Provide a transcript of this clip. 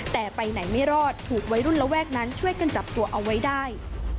แต่ไปไหนไม่รอดถูกวัยรุ่นระแวกนั้นช่วยกันจับตัวเอาไว้ได้